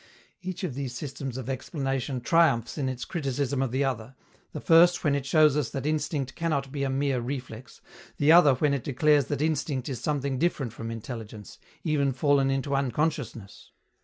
Each of these systems of explanation triumphs in its criticism of the other, the first when it shows us that instinct cannot be a mere reflex, the other when it declares that instinct is something different from intelligence, even fallen into unconsciousness.